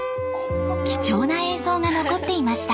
貴重な映像が残っていました。